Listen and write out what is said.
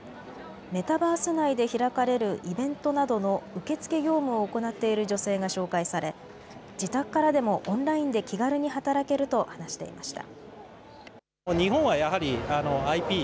メタバース内で開かれるイベントなどの受付業務を行っている女性が紹介され自宅からでもオンラインで気軽に働けると話していました。